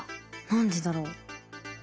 何でだろう？